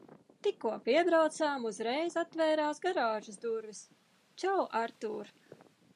Tikko piebraucām, uzreiz atvērās garāžas durvis. Čau, Artūr!